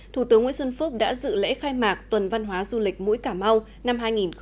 thủ tướng nguyễn xuân phúc đã dự lễ khai mạc tuần văn hóa du lịch mũi cà mau năm hai nghìn hai mươi